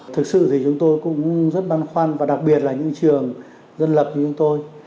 thực sự thì chúng tôi cũng rất băn khoăn và đặc biệt là những trường dân lập như chúng tôi